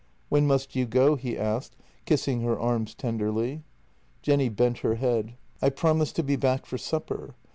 " When must you go? " he asked, kissing her arms tenderly. Jenny bent her head: " I promised to be back for supper.